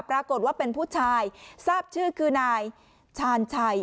ปรากฏว่าเป็นผู้ชายทราบชื่อคือนายชาญชัย